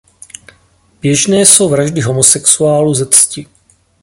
Běžné jsou vraždy homosexuálů ze cti.